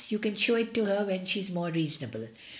"You can show it to her when she is more reasonable.